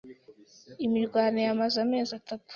Imirwano yamaze amezi atatu.